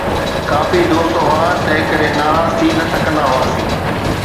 ڪافي دوست هئا، تنهن ڪري ناراض ٿي نه ٿڪندا هئاسين